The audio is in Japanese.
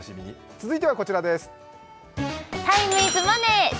続いてはこちらです。